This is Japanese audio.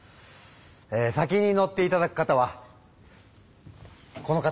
え先に乗っていただく方はこの方。